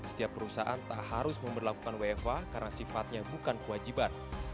setiap perusahaan tak harus memperlakukan wfh karena sifatnya bukan kewajiban